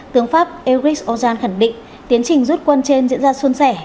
tướng pháp éric orjan khẳng định tiến trình rút quân trên diễn ra xuân sẻ